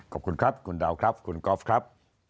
ขอบคุณครับคุณดาวครับคุณกอล์ฟครับ